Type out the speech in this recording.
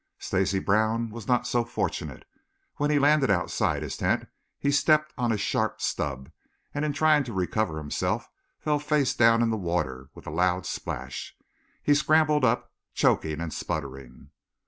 Stacy Brown was not so fortunate. When he landed outside his tent he stepped on a sharp stub and in trying to recover himself, fell face down in the water with a loud splash. He scrambled up, choking and sputtering.